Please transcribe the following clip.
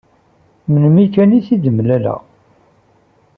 Melmi kan i t-id-mlaleɣ.